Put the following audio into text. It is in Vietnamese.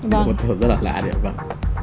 một phương rất là lạ đấy